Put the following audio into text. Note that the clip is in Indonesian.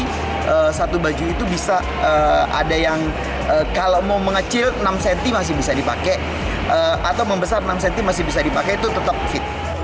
jadi satu baju itu bisa ada yang kalau mau mengecil enam cm masih bisa dipakai atau membesar enam cm masih bisa dipakai itu tetap fit